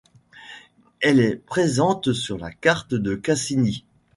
Elle est présente sur la carte de Cassini.